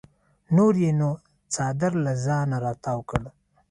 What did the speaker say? نور یې نو څادر له ځانه راتاو کړ.